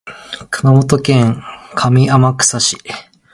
熊本県上天草市